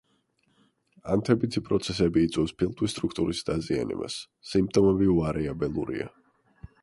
ანთებითი პროცესები იწვევს ფილტვის სტრუქტურულ დაზიანებას, სიმპტომები ვარიაბელურია.